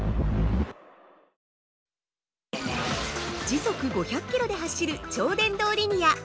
◆時速５００キロで走る超電導リニア。